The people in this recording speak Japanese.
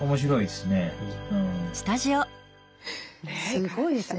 すごいですね。